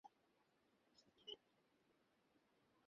এতে প্রচণ্ড যন্ত্রণায় ছটফট করলে স্বামীই তাঁকে ওষুধ এনে মেখে দেন।